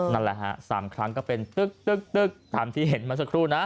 นั่นแหละฮะสามครั้งก็เป็นตึ๊กตึ๊กตึ๊กตามที่เห็นมาสักครู่นะ